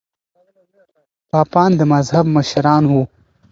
پاپان د مذهب مشران وو.